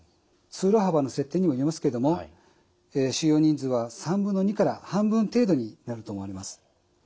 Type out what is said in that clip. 通路幅の設定にもよりますけども収容人数は2/3から半分程度になると思います。